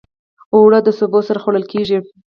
اوړه د سبو سره خوړل کېږي